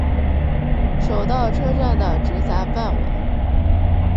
手稻车站的直辖范围。